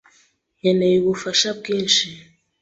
Nkeneye ubufasha bwinshi.